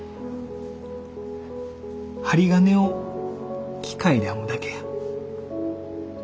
針金を機械で編むだけや。